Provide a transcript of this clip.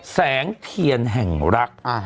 แสงเทียนแห่งรัก